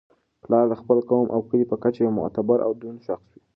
پلار د خپل قوم او کلي په کچه یو معتبر او دروند شخص وي.